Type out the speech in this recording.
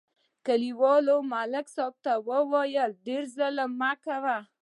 کلیوالو ملک صاحب ته وویل: ډېر ظلم مه کوه